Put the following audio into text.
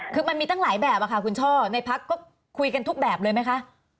คือมันมีตั้งหลายแบบค่ะคุณช่อในพักก็คุยกันทุกแบบเลยไหมคะ